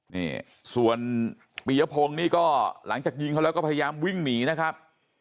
นี่ส่วนปียพงศ์นี่ก็หลังจากยิงเขาแล้วก็พยายามวิ่งหนีนะครับ